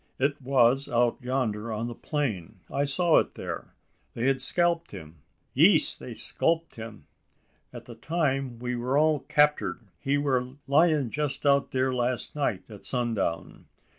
It was out yonder on the plain? I saw it there: they had scalped him." "Yees; they sculped him at the time we weer all captered. He weer lying jest out theer last night at sundown.